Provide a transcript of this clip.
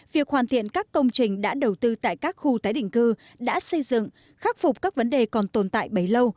việc hoàn thiện các công trình đã đầu tư tại các khu tái định cư đã xây dựng khắc phục các vấn đề còn tồn tại bấy lâu